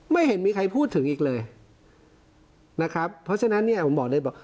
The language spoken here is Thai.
ไม่เห็นมีใครพูดถึงอีกเลยนะครับเพราะฉะนั้นเนี่ยผมบอกเลยบอก